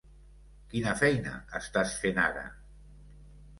Quina feina estàs fent ara?